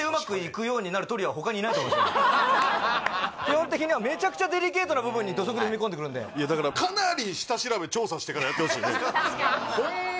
確かに基本的にはめちゃくちゃデリケートな部分に土足で踏み込んでくるんでいやだからかなり下調べ調査してからやってほしいねホンマ